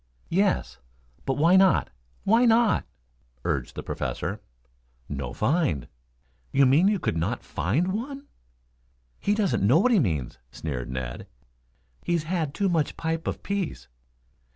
"Yes, but why not, why not?" urged the Professor. "No find." "You mean you could not find one?" "He doesn't know what he means," sneered Ned. "He's had too much pipe of peace."